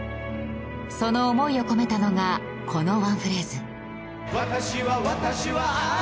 その思いを込めたのがこのワンフレーズ。